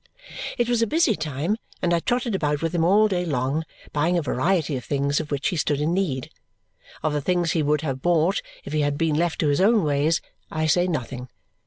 It was a busy time, and I trotted about with him all day long, buying a variety of things of which he stood in need. Of the things he would have bought if he had been left to his own ways I say nothing.